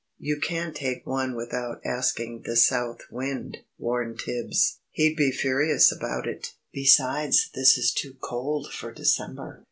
"You can't take one without asking the South Wind," warned Tibbs. "He'd be furious about it. Besides this is too cold for December."